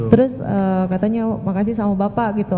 terus katanya makasih sama bapak gitu